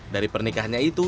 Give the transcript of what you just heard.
dari pernikahannya itu